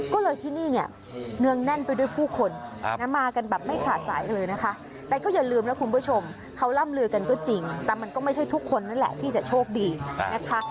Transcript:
ก็เลยที่นี่เนี่ยเนืองแน่นไปด้วยผู้คนนะมากันแบบไม่ขาดสายเลยนะคะแต่ก็อย่าลืมนะคุณผู้ชมเขาล่ำลือกันก็จริงแต่มันก็ไม่ใช่ทุกคนนั่นแหละที่จะโชคดีนะคะ